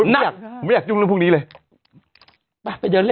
นัดไปไหนไปให้บอกสิ